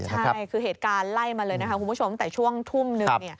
ใช่คือเหตุการณ์ไล่มาเลยนะคะคุณผู้ชมแต่ช่วงทุ่มหนึ่ง